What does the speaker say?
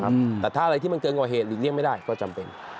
แต่ถ้าอะไรที่มันเกินกว่าเหตุหลีกเลี่ยงไม่ได้ก็จำเป็น